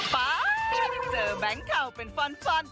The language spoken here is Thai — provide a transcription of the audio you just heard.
ป๊าค่ะเจอแบงค์เขาเป็นฟอนฟอน